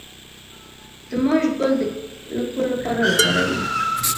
د ماش ګل د لکو لپاره وکاروئ